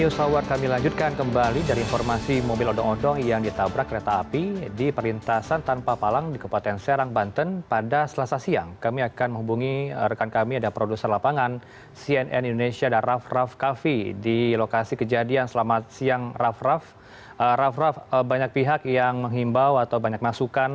sampai jumpa di video selanjutnya